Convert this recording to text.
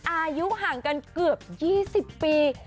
อายุห่างกันเกือบ๒๐ปี